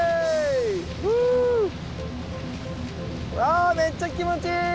あめっちゃ気持ちいい！